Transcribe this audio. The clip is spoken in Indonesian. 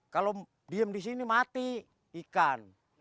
kalau diem di sini mati ikan